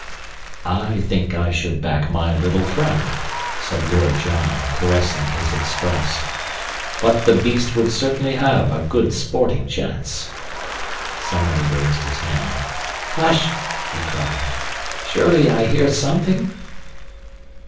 "I think I should back my little friend," said Lord John, caressing his Express. "But the beast would certainly have a good sporting chance." Summerlee raised his hand. "Hush!" he cried. "Surely I hear something?"